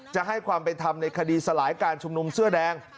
จะให้ความเป็นธรรมในคดีสลายการชุมนุมเสื้อแดง